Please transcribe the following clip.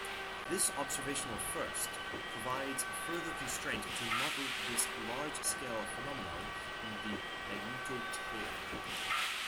This observational first provides further constraint to model this large-scale phenomenon in the magnetotail.